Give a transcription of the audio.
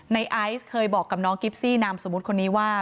ไอซ์เคยบอกกับน้องกิฟซี่นามสมมุติคนนี้ว่า